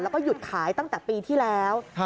แล้วก็หยุดขายตั้งแต่ปีที่แล้ว